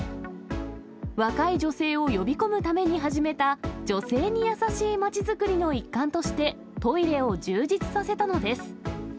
若い女性を呼び込むために始めた女性にやさしいまちづくりの一環として、トイレを充実させたのです。